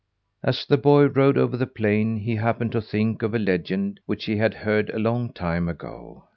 As the boy rode over the plain, he happened to think of a legend which he had heard a long time ago.